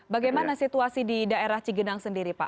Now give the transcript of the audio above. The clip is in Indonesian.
bagaimana situasi di daerah cigenang sendiri pak